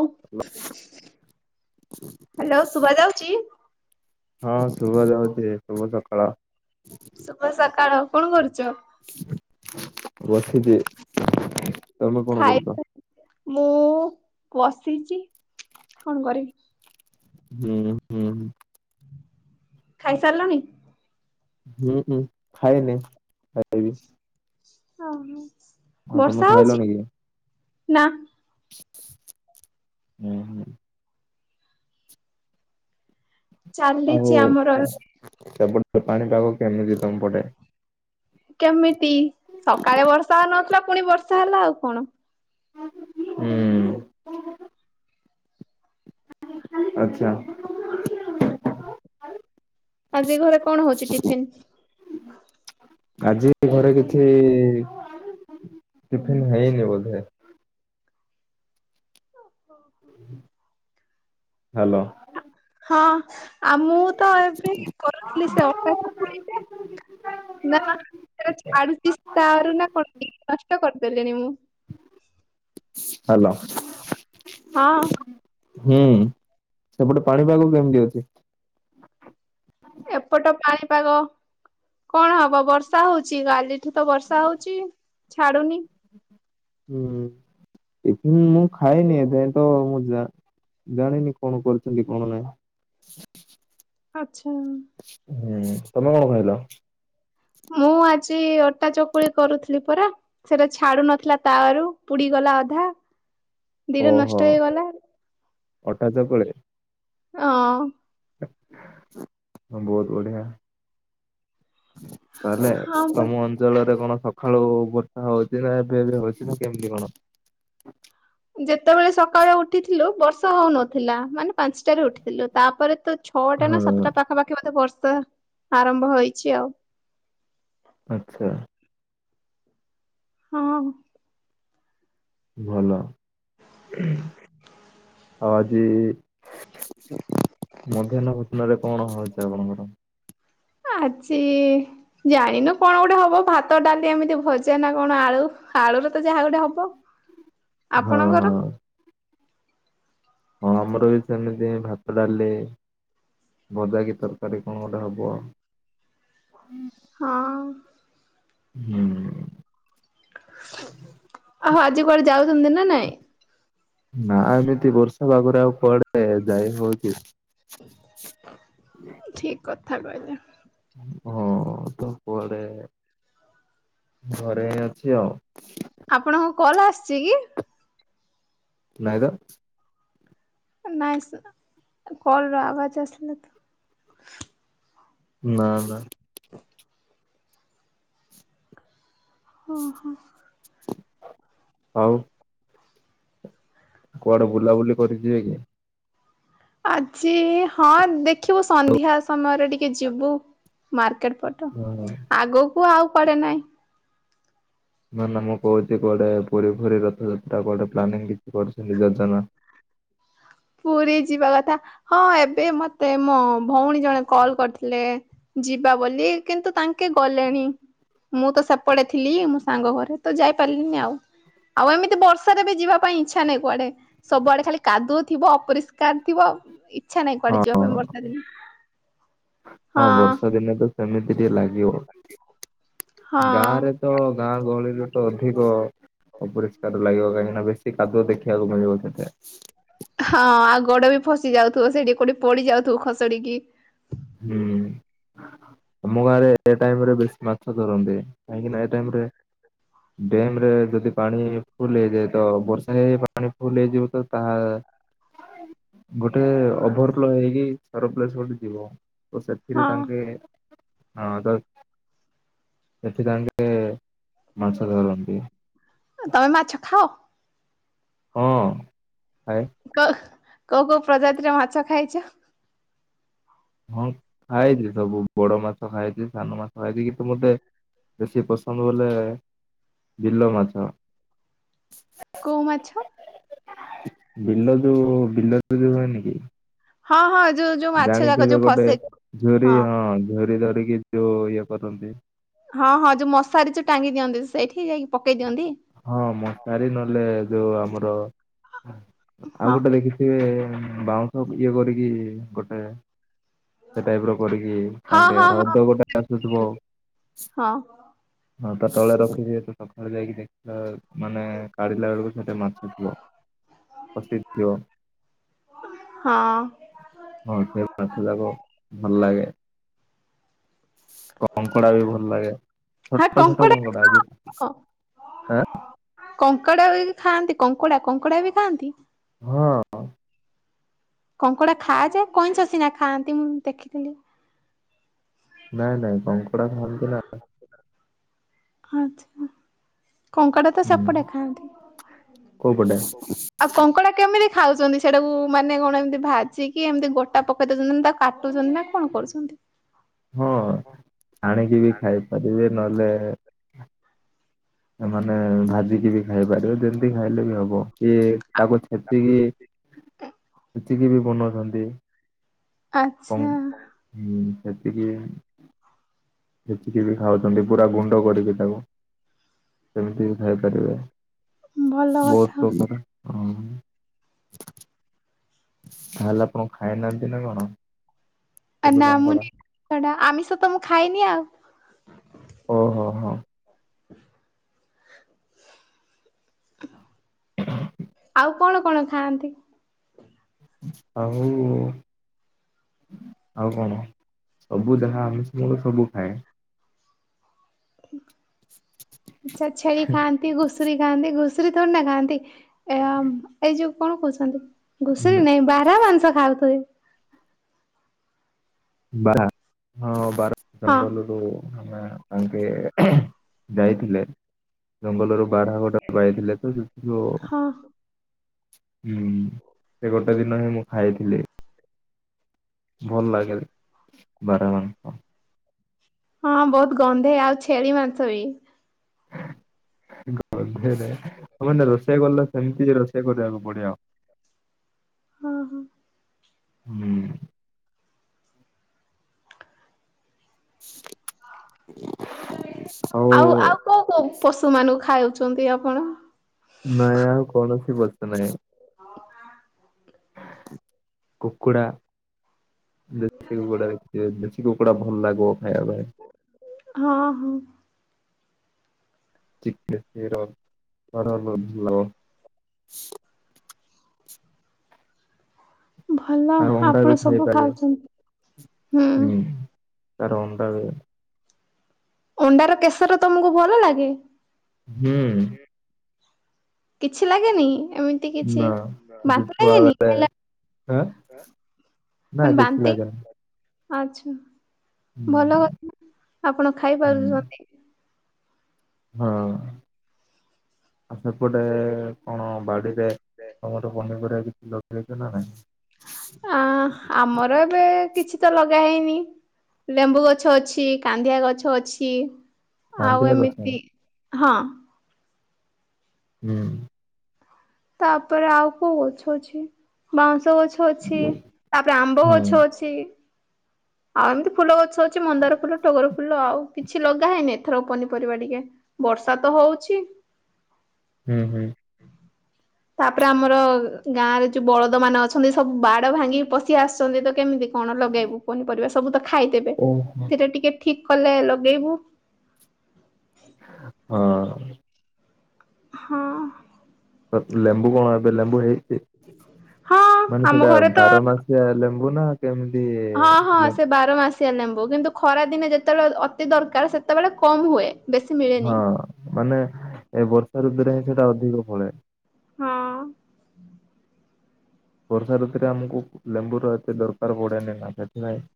Hello ଶୁଭାଯାଉଚି? ହଁ ଶୁଭା ଯାଉଛି। ଶୁଭ ସକାଳ। ଶୁଭ ସକାଳ କଣ କରୁଛ? ବସିଚି। ତମେ କଣ ଖାଇ କରୁଚ? ମୁଁ ବସିଛି କଣ କରିବି? ହୁଁ ହୁଁ। ଖାଇସାରିଲଣି। ହୁଁ ହୁଁ ଖାଇନି ଖାଇବି। ଓ ହୋ। ଆଉ ତମେ ଖାଇଲଣି କି? ନା। ହୁଁ ହୁଁ। ଚାଲିଛି ଆଉ ଆମର ସେପଟ ପାଣିପାଗ କେମିତି ତମପଟେ? କେମିତି ସକାଳେ ବର୍ଷା ହଉ ନଥିଲା ପୁଣି ବର୍ଷା ହେଲା ଆଉ କଣ? ହୁଁ। ଆଚ୍ଛା। ଆଜି ଘରେ କଣ ହଉଛି ଟିଫିନ୍? ଆଜି ଘରେ କିଛି ଟିଫିନ୍ ହେଇନି ବୋଧେ। ହାଲୋ। ହଁ ଆଉ ମୁଁ ତ ଏବେ କରୁଥିଲି ସେ ଅପାକୁ ନା ହେରା ଛାଡୁଛି ତାରୁ ନା କଣ ନଷ୍ଟ କରିଦେଲିଣି ମୁଁ। ହାଲୋ। ହଁ। ହୁଁ ସେପଟେ ପାଣିପାଗ କେମତି ଅଛି? ଏପଟ ପାଣିପାଗ କଣ ହବ ବର୍ଷା ହଉଚି କାଲି। ଅଠି ତ ବର୍ଷା ହଉଚି ଛାଡୁନି। ହୁଁ ଟିଫିନ୍ ମୁଁ ଖାଇନି ଏବେ ତ ମୁ ଯା ଜାଣିନି କଣ କରୁଛନ୍ତି କଣ ନାହିଁ? ଆଚ୍ଛା। ହୁଁ ତମେ କଣ ଖାଇଲ? ମୁଁ ଆଜି ଅଟା ଚକୁଳି କରୁଥିଲି ପୁରା ସେଟା ଛାଡୁ ନଥିଲା ତାୱ ରୁ ପୁଡିଗଲା। ଅଧା ଦିଟା ଓହୋ ନଷ୍ଟ ହେଇଗଲା। ଅଟା ଚକୁଳି ହଁ ‌। ବହୁତ ବଢ଼ିଆ। ତାହେଲେ ହଁ ପା। ତମ ଅଞ୍ଚଳରେ କଣ ସ ଖାଳୁ ବର୍ଷା ହଉଛି ନା ଏବେବେ ହଉଛି ନା କେମିତି କଣ? ଯେତେବେଳେ ସକାଳୁ ଉଠିଥିଲୁ ବର୍ଷା ହେଉନଥିଲା ମାନେ ପାଞ୍ଚଟାରେ ଉଠିଥିଲୁ ତାପରେ ତ ଛଅଟା ହଁ ନା ସାତଟା ପାଖାପାଖି ବଧେ ବର୍ଷା ଆରମ୍ଭ ହେଇଛି ଆଉ। ଆଚ୍ଛା। ହଁ। ଭଲ। ଆଉ ଆଜି ମଧ୍ୟାହ୍ନ ଭୋଜଣ ରେ କଣ ହଉଛି ଆପଣଙ୍କର? ଆଜି ଜାଣିନୁ କଣ ଗୋଟେ ହବ ଭାତ ଡାଲି ଏମିତି ଭଜା ନା କଣ ଆଳୁ। ଆଳୁରେ ତ ଯାହା ଗୋଟେ ହବ। ହଁ ଆପଣଙ୍କର? ହଁ। ହଁ ଆମର ବି ସେମିତି ଭା ଡାଲେ ଭଜା କିି ତରକାରୀ କଣ ଗୋଟେ ହେବ। ହଁ। ହୁଁ। ଆହ ଆଜି କୁଆଡେ ଯାଉଛନ୍ତି ନା ନାଇଁ? ନା ଏମିତି ବର୍ଷା ପାାଗରେ ଆଉ ପଡେ ଯାଇ ହଉଛି। ଠିକ କଥା କହିଲେ। ହଁ ତ କୁଆଡେ ଘରେ ଅଛି ଆଉ। ଆପଣଙ୍କ କଲ ଆସିଛି କି? ନଇଁତ। ନାଇଁ ସେ କଲର ଆବାଜ ଆସିଲା ତ। ନା ନା। ଓହୋ। ଆଉ କୁଆଡେ ବୁଲାବୁଲି କରି ଯିବେ କି? ଆଜି ହଁ ଦେଖିବୁ ସନ୍ଧ୍ୟା ସମୟରେ ଟିକେ ଯିବୁ ମାର୍କେଟ। ବାଟ ହଁ ଆଗକୁ ଆଉ ପଡେ ନାଇଁ। ନା ନା ମୁଁ କହୁଚି କୁଆଡେ ପୁରୀ ଫୁରୀ ରଥଯାତ୍ରା କୁଆଡେ ପ୍ଲାନିଂ କିଛି କରୁଛନ୍ତି ଯୋଜନା? ପୁରୀ ଯିବା କଥା ହଁ ଏବେ ମତେ ମୋ ଭୋଉଣୀ ଜଣେ କଲ କରିଥିଲେ। ଯିବା ବୋଲି କିନ୍ତୁ ତାଙ୍କେ ଗଲେଣି। ମୁଁ ତ ସେପଟେ ଥିଲି ମୋ ସାଙ୍ଗ ଘରେ ତ ଯାଇପାରଲିନି ଆଉ। ଆଉ ଏମିତି ବର୍ଷାରେ ବି ଯିବା ପାଇଁ ଇଛା ନାହିଁ କୁଆଡେ ସବୁଆଡେ ଖାଲି କାଦୁଅ ଥିବ ଅପରିଷ୍କାର ଥିବ ଇଚ୍ଛା ନାଇଁ ହଁ କୁଆଡେ ଯିବା ପାଇଁ ବର୍ଷା ଦିନେ। ହଁ ବର୍ଷା ଦିନେ ତ ସେମିତି ଟିକେ ଲାଗିବ। ହଁ ଗାଁରେ ତ ଗାଁ ଗହଳିରେ ତ ଅଧିକ ଅପରିଷ୍କାର ଲାଗିବ କାହିଁକିନା ବେଶୀ କାଦୁଅ ଦେଖିବାକୁ ମିଳିବ ସେଠି। ହଁ ଆଉ ଗୋଡ ବି ଫସି ଯାଉଥୁବ ସେଇଠି କୋଉଠି ପଡି ଯାଉଥୁବୁ ଖସଡିକି। ହୁଁ। ଆମ ଗାଁରେ ଏଇ ଟାଇମରେ ବେଶୀ ମାଛ ଧରନ୍ତି କାହିଁକି ନା ଏଇ ଟାଇମରେ ଡ୍ୟାମରେ ଯଦି ପାଣି ଫୁଲ ହେଇଯାଏ ତ ବର୍ଷା ପାଣି ଫୁଲ ହେଇଯିବ ତ ତାହା ଗୋଟେ ଓଭୋର ଫ୍ଲୋ ହେଇକି ସରପ୍ଲସ୍ ଗୋଟେ ଥିବ ତ ସେଥିରେ ହଁ ତାଙ୍କେ ହଁ ତ ସେଠି ତାଙ୍କେ ମାଛ ଧରନ୍ତି। ତମେ ମାଛ ଖାଅ? ଓ। କ କୋଉ କୋଉ ପ୍ରଜାତିରେ ମାଛ ଖାଇଚ? ହଁ ଖାଇଥିଲି ସବୁ ବଡ ମାଛ ଖାଇଚି ସାନ ମାଛ ଖାଇଚି କିନ୍ତୁ ମତେ ବେଶୀ ପସନ୍ଦ ବୋଲେ ବିଲ ମାଛ। କୋଉ ମାଛ? ବିଲ ଯୋଉ ବିଲରେ ଯୋଉ ହୁଏନ କି ହଁ ହଁ ଯୋଉ ଯୋଉ ମାଛ ଯାକ ଜାଣିଥିବେ ଯୋଉ ଗୋଟେ ଫସେ ଝୁରି ହଁ ଝୁୁରି ଧରିକି ଯୋଉ ଇଏ କରନ୍ତି। ହଁ ହଁ ଯୋଉ ମଶାରୀ ଯୋଉ ଟାଙ୍ଗି ଦିଅନ୍ତି ସେଇଠି ଯାଇକି ପକେଇ ଦିଅନ୍ତି। ହଁ ମଶାରୀ ନହେଲେ ଯୋଉ ଆମର ଆଉ ହଁ ଗୋଟେ ଦେଖିଥିବେ ହୁଁ ବାଉଁଶ ଇଏ କରିକି ଗୋଟେ ସେ ଟାଇପର କରିକି ହଁ ତାଙ୍କେ ହଁ ହଁ ହ୍ରଦ ଗୋଟେ ଆସୁଥିବ। ହଁ ହଁ ତା ତଳେ ରଖିଥିବେ ତ ସଖାଳେ ଯାଇକି ଦେଖିବା ମାନେ କାଢିଲା ବେଳକୁ ସେଠି ମାଛ ଥିବ। ପସିଥିବ ହଁ ହଁ ସେ ମାଛ ଯାକ ଭଲଲାଗେ କଙ୍କଡା ବି ଭଲଲାଗେ। ହଁ ଛୋଟ ଛୋଟ କଙ୍କଡା କଙ୍କଡ଼ା ଯେ ହଁ ଆଁ କଙ୍କଡା ବି ଖାଆନ୍ତି କଙ୍କଡା କଙ୍କଡା ବି ଖାଆନ୍ତି? ହଁ। କଙ୍କଡା ଖାଆଯାଏ କଇଁଛ ସିନା ଖାଆନ୍ତି ମୁଁ ଦେଖିଥିଲି। ନାଇଁ ନାଇଁ କଙ୍କଡା ଖାଆନ୍ତି ନା। ଆଚ୍ଛା। କଙ୍କଡା ତ ହୁଁ ସେପଟେ ଖାଆନ୍ତି, କୋଉ ପଟେ ଆଉ କଙ୍କଡା କେମିତି ଖାଉଛନ୍ତି ସେଟାକୁ ମାନେ କଣ ଏମିତି ଭାଜିକି ଏମିତି ଗୋଟା ପକେଇ ଦଉଛନ୍ତି ନା ତା କାଟୁଛନ୍ତି ନା କଣ କରୁଛନ୍ତି? ହଁ ହାଣିକି ବି ଖାଇପାରିବେ ନହେଲେ ମାନେ ଭାଜିକି ବି ଖାଇପାରିବ ଯେମିତି ଖାଇଲେ ବି ହବ କିଏ ତାକୁ ଛେଚିକି ଛେଚିକି ବି ବନଉଛନ୍ତି ଆଚ୍ଛା। କଣ ହୁଁ ଛେଚିକି ସେତିକି ବି ଖାଉଛନ୍ତି ପୁରା ଗୁଣ୍ଡ କରିକି ତାକୁ ସେମିତି ବି ଖାଇ ପାରିବେ। ଭଲ କଥା। ବହୁତ ପ୍ରକାର [unintelligible] ତାହଲେ ଆପଣ ଖାଇନାହାନ୍ତି ନା କଣ? କେବେ ନା ମୁଁ କଙ୍କଡା [unintelligible] ଆମିଷ ତ ମୁଁ ଖାଇନି ଆଉ। ଓହୋ ହୋ [inaudible] ଆଉ କଣ କଣ ଖାଆନ୍ତି? ଆଉ ଆଉ କଣ ସବୁ ଯାହା ଆମିଷ ମୁଁ ସବୁ ଖାଏ। ଆଚ୍ଛା ଛେଳି ଖାଆନ୍ତି, ଘୁସୁରି ଖାନ୍ତି, ଘୁସୁରି ଥୋଡି ନା ଖାନ୍ତି। ଏହା ଏଇ ଯୋଉ କଣ କହୁଛନ୍ତି ଘୁଷୁରି ନାଇଁ ବାରହା ମାଂସ ଖାଉଥିବେ। ବାର୍ହା ହଁ ବର୍ହା ହଁ ଜଙ୍ଗଲରୁ ଆମେ [unintelligible] ଯାଇଥିଲେ। ଜଙ୍ଗଲରୁ ବାର୍ହା ଗୋଟା ପାଇଥିଲେ ତ ସେଥିରୁ ହୁଁ ହଁ ସେ ଗୋଟେ ଦିନ ହିଁ ମୁଁ ଖାଇଥିଲି। ଭଲ ଲାଗେ ବାର୍ହା ମାଂସ। ହଁ ବହୁତ ଗନ୍ଧେ ଆଉ ଛେଳି ମାଂସ ବି। ଗନ୍ଧେରେ ତମେ ନା ରୋଷେଇ କଲେ ସେମିତି ରୋଷେଇ କରିବାକୁ ପଡିବ। ହଁ ହଁ। ହୁଁ। ଆଉ ଆଉ କୋଉ କୋଉ ପଶୁ ମାନଙ୍କୁ ଖାଉଛନ୍ତି ଆପଣ? ନାଇଁ ଆଉ କୌଣସି ପଶୁ ନାହିଁ। କୁକୁଡ଼ା ଦେଶୀ କୁକୁଡା ଦେଖିଥିବେ ଦେଶୀ କୁକୁଡା ଭଲ ଲାଗୋ। ହଁ ହଁ। ଚିକେ [unintelligible] ଭଲ ଆଉ ଅଣ୍ଡା ଆପଣ ବି ସବୁ ଖାଇପାରିବେ ଖାଉଛନ୍ତି ହୁଁ। ତାର ଅଣ୍ଡା ବି। ଅଣ୍ଡାର କେଶର ତମକୁ ଭଲ ଲାଗେ? ହୁଁ। କିଛି ଲାଗେନି ଏମିତି କିଛି ନା ବାନ୍ତି ଲାଗେନି ଖାଇଲା ଆଁ ନା ମାନେ କିଛି ବାନ୍ତି ଲାଗେନି। ଆଚ୍ଛା ଭଲ ହୁଁ କଥା ଆପଣ ଖାଇ ପାରୁଛନ୍ତି। ହଁ ଆ ସେପଟେ କଣ ବାଡି ସେ ତମର ପନିପରିବା କିଛି ଲଗେଇଚ ନା ନାଇଁ? ଆଁ ଆମର ଏବେ କିଛି ତ ଲଗା ହେଇନି ଲେମ୍ବୁ ଗଛ ଅଛି, କାନ୍ଦିଆ ଗଛ ଅଛି। ଆଉ କାନ୍ଦିଆ ଗଛ। ଏମିତି ହଁ। ହୁଁ। ତାପରେ ଆଉ କୋଉ ଗଛ ଅଛି, ବାଉଁଶ [unintelligible] ଗଛ ଅଛି ତାପରେ ଆମ୍ବ ହୁଁ ଗଛ ଅଛି। ଆଉ ଏମିତି ଫୁଲ ଗଛ ଅଛି ମନ୍ଦାର ଫୁଲ ଟଗର ଫୁଲ ଆଉ କିଛି ଲଗା ହେଇନି ଏଥର ପନିପରିବା ଟିକେ। ବର୍ଷା ତ ହଉଛି। ହୁଁ ହୁଁ। ତାପରେ ଆମର ଗାଁ ରେ ଯୋଉ ବଳଦ ମାନେ ଅଛନ୍ତି ସବୁ ବାଡ ଭାଙ୍ଗି ପଶି ଆସିଛନ୍ତି ତ କେମିତି କଣ ଲଗେଇବୁ ପନିପରିବା ସବୁ ତ ଖାଇଦେବେ ଓହୋ। ସେଟା ଟିକେ ଠିକ କଲେ ଲଗେଇବୁ। ହଁ। ହଁ। ଲେମ୍ବୁ କଣ ଏବେ ଲେମ୍ବୁ ହେଇଛି ହଁ ମାନେ ଆମ ସେଟା ଘରେ ତ ବାରମାସିଆ ଲେମ୍ ହଁ ହଁ ସେ ବାର ମାସ ଶିଆ ଲେମ୍ବୁ କିନ୍ତୁ ଖରା ଦିନେ ଯେତେବେଳେ ଅତି ଦରକାର ସେତେବେଳେ କମ୍ ହୁଏ। ବେଶୀ ମିଳେନି ହଁ ମାନେ ଏ ବର୍ଷା ଋତୁରେ ହିଁ ସେଟା ଅଧିକ ଫଳେ। ହଁ। ବର୍ଷା ଋତୁରେ ଆମକୁ ଲେମ୍ବୁର ଏତେ ଦରକାର ପଡ଼େନି ନା ସେଥିପାଇଁ।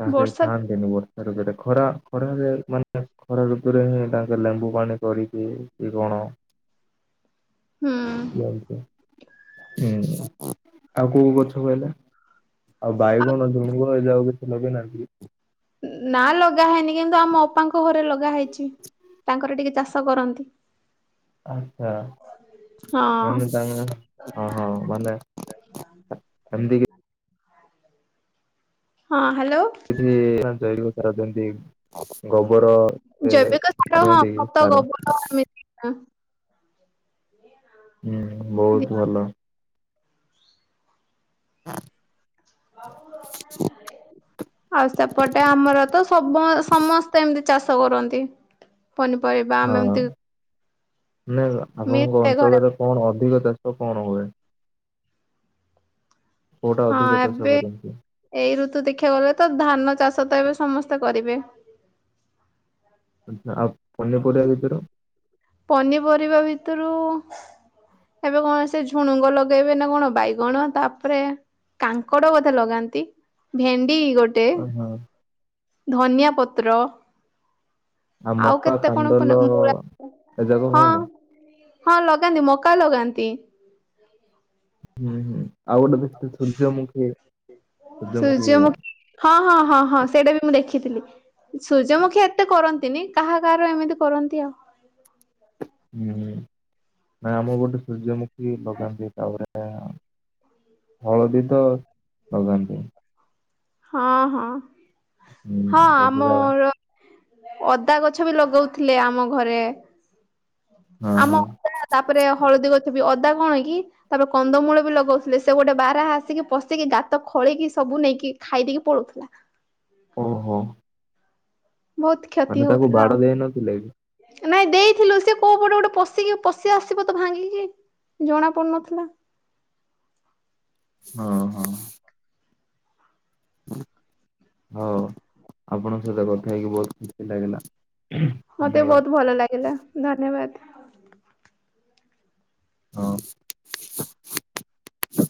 ତାେ ବର୍ଷା ସ୍ଥାନ ଦେନୁ ବ [unintelligible] ସେଋତୁରେ ଖରା ଖରାରେ ମାନେ ଖରା ଋତୁରେ ହିଁ ତାଙ୍କେ ଲେମ୍ବୁ ପାଣି କରିକି କି କଣ [inaudible] ହୁଁ ବନ୍ତ [inaudible] ହୁଁ ଆଉ କୋଉ ଗଛ କହିଲ ଆଉ ବାଇଗଣ ଝୁଡୁଙ୍ଗ ହ ଯାଉ କିଛି ଲଗେଇନହନ୍ତି। [inaudible] ନା ଲଗା ହେଇନି କିନ୍ତୁ ଆମ ଅପାଙ୍କ ଘରେ ଲଗା ହେଇଛି। ତାଙ୍କର ଟିକେ ଚାଷ କରନ୍ତି। ଆଚ୍ଛା ହଁ ମାନେ ତାଙ୍କ ଗାଁ [inaudible] ହଁ। ହ୍ୟାଲୋ [unintelligible] ଗବର ଜୈବିକ ସାର ହଁ ସେଣ୍ଡି ଖତ ସାର ଗୋବର [unintelligible] ଏମିତି ଆ ହୁଁ ଦିଆ ବହୁତୁ ଭଲ। ହଁ [inaudible] ଆଉ ସେପଟେ ଆମର ତ ସବ ସମସ୍ତେ ଏମିତି ଚାଷ କରନ୍ତି। ପନିପରିବା ଆମେ ହଁ। ଏମିତି ନ ଆପଣଙ୍କ ମିଶେ ଘରେ ଅଞ୍ଚଳରେ କଣ ଅଧିକ ଚାଷ କଣ ହୁଏ? କୋଉଟା ହଁ ଅଧିକ ଚାଷ ଏବେ କରନ୍ତି? ଏଇ ଋତୁ୍ ଦେଖିବାକୂ ଗଲେ ତ ଧାନ ଚାଷ ତ ଏବେ ସମସ୍ତେ କରିବେ। ଆପ୍ ପିନିପରିବା ବିଷସୟ ର। ପନିପରିବା ଭିତରୁ ଏବେ କଣ ସେ ଝୁଣୁଙ୍ଗ ଲଗେଇବେ ନା କଣ ବାଇଗଣ ତାପରେ କାଙ୍କଡ ବୋଧେ ଲଗାନ୍ତି ଭେଣ୍ଡି ଡି ଗୋଟେ ଓହୋ ଧନିଆ ପତ୍ର ଆ ଆଉ ମକା କେତେ କଣ ପନି କାଣ୍ଡଲ ମୂଳା ଏ ଯାକ ହଁ ହୁଏନି? ହଁ ଲଗାନ୍ତି ମକା ଲଗାନ୍ତି। ହୁଁ ଆଉ ଗୋଟେ ଦେଖିଥିଲି ସୂର୍ଯ୍ୟମୁଖୀ ସୂର୍ଯ୍ୟମୁଖୀ ସୂର୍ଯ୍ୟ ମୁଖି ହଁ ହଁ ହଁ ହଁ ସେଇଟା ବି ମୁଁ ଦେଖିଥିଲି। ସୂର୍ଯ୍ୟମୁଖୀ ଏତେ କରନ୍ତିନି କାହା କାହାର ଏମିତି କରନ୍ତି ଆଉ। ହୁଁ ନା ଆମ ଗୋଟେ ସୂର୍ଯ୍ୟମୁଖୀ ଲଗାନ୍ତି ତାପରେ ହଳଦୀ ତ ଲଗାନ୍ତି। ହଁ ହଁ ହୁଁ ହଁ ବସୁଧା ଆମର ଅଦା ଗଛ ବି ଲଗଉଥିଲେ ଆମ ଘରେ। ହଁ ଆମ ହଁ ଅଦା ତାପରେ ହଳଦୀ ଗଛ। ଅଦା କଣକି ତାପରେ କନ୍ଦମୂଳ ବି ଲଗାଉଥିଲେ ସେ ଗୋଟେ ବାର ଆସିକି ପଶିକି ଗାତ ଖୋଳିକି ସବୁ ନେଇକି ଖାଇ ଦେଇକି ପଲୋଉଥିଲା। ଓହୋ ବହୁତ କ୍ଷତି ମାନେ ତାକୁ ହଉଥିଲା ବାଡ଼ ଆଉ। ଦେଇ ନଥିଲେ କି ନାଇଁ ଦେଇଥିଲୁ ସେ କୋଉ ପଟେ ଗୋଟେ ପଶିକି ପଶି ଆସିବ ତ ଭାଙ୍ଗିକି। ଜଣା ପଡୁନଥିଲା। ହଁ ହଁ। ହଁ ହଉ ଆପଣଙ୍କ ସହିତ କଥା ହେଇକି ବହୁତ ଖୁସି ଲାଗିଲା। ମତେ ଧନ୍ୟବାଦ ବହୁତ ଭଲ ଲାଗିଲା ଧନ୍ୟବାଦ। ହଁ [unintelligible]